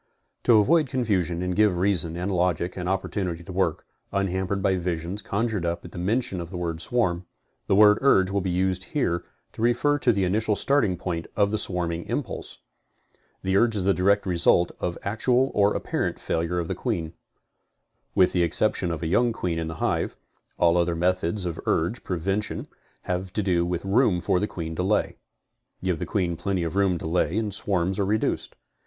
To avoid confusion and give reason and logic an opportunity to work, unhampered by visions conjured up at mention of the word swarm, the word urge will be used here to refer to the initial starting point of the swarming impulse. The urge is the direct result of the actual or apparent failure of the queen. With the exception of a young queen in the hive, all other methods of urge prevention have to do with room for the queen to lay. Give the queen plenty of room to lay and swarms are reduced.